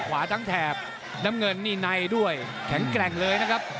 ขวาทั้งแถบน้ำเงินนี่ในด้วยแข็งแกร่งเลยนะครับ